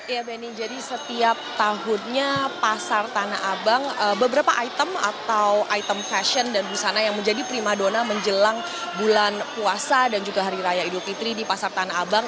ya beni jadi setiap tahunnya pasar tanah abang beberapa item atau item fashion dan busana yang menjadi prima dona menjelang bulan puasa dan juga hari raya idul fitri di pasar tanah abang